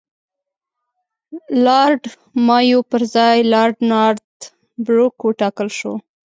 لارډ مایو پر ځای لارډ نارت بروک وټاکل شو.